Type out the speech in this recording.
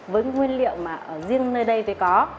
với nguyên liệu mà riêng nơi đây mới có